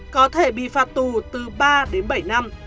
có thể bị phạt tù từ ba đến bảy năm